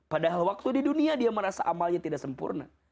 padahal waktu di dunia dia merasa amalnya tidak sempurna